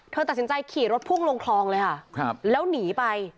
ตัดสินใจขี่รถพุ่งลงคลองเลยค่ะแล้วหนีไป